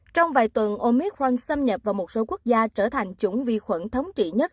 trong vài tuần omicron xâm nhập vào một số quốc gia trở thành chủng vi khuẩn thống trị nhất